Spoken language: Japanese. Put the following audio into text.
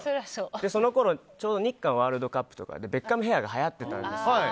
そのころ、ちょうど日韓ワールドカップがあってベッカムヘアがはやっていたんですよ。